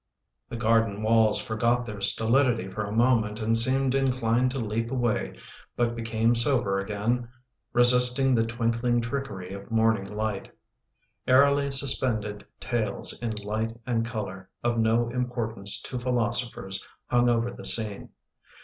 The garden walls forgot their stolidity for a moment and seemed inclined to leap away, but became sober again, resisting the twinkling trickery of morning light Airily suspended tales in light and colour, of no importance to philosophers, hung over the scene.